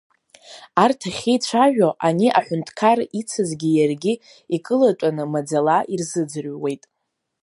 Арҭ ахьеицәажәо ани аҳәынҭқар ицызгьы иаргьы икылатәаны маӡала ирзыӡырҩуеит.